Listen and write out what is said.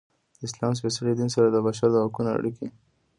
د اسلام سپیڅلي دین سره د بشر د حقونو اړیکې.